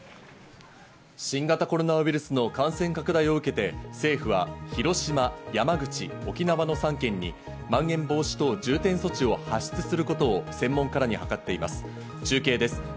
新型コロナウイルスの感染拡大を受けて政府は広島・山口・沖縄の３県にまん延防止等重点措置を発出することを専門家らに諮っています。